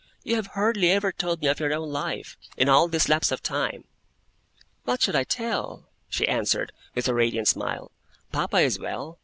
You have hardly ever told me of your own life, in all this lapse of time!' 'What should I tell?' she answered, with her radiant smile. 'Papa is well.